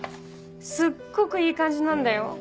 すっごくいい感じなんだよ。